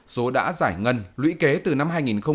số đã giải ngân lũy kế từ năm hai nghìn một mươi